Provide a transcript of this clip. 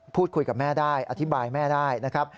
กับแม่ได้อธิบายแม่ได้นะครับ